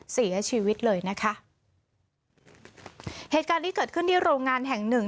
เสียชีวิตเลยนะคะเหตุการณ์นี้เกิดขึ้นที่โรงงานแห่งหนึ่ง